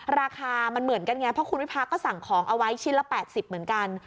ราคามันเหมือนกันไงเพราะคุณวิพาก็สั่งของเอาไว้ชิ้นละ๘๐เหมือนกัน